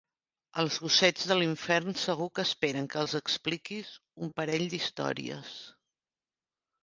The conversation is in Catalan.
Els gossets de l'infern segur que esperen que els expliquis un parell d'històries.